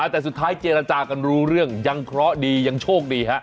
แต่สุดท้ายเจรจากันรู้เรื่องยังเคราะห์ดียังโชคดีฮะ